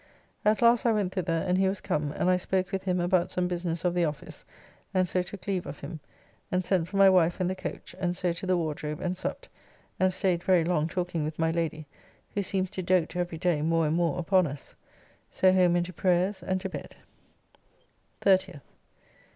At last I went thither and he was come, and I spoke with him about some business of the office, and so took leave of him, and sent for my wife and the coach, and so to the Wardrobe and supped, and staid very long talking with my Lady, who seems to doat every day more and more upon us. So home and to prayers, and to bed. 30th.